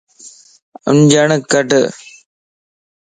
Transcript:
آنڃڻ ڪڍ